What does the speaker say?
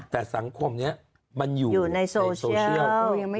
แต่สังคมนี้มันอยู่ในโซเชียล